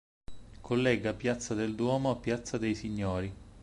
Collega piazza del Duomo a piazza dei Signori.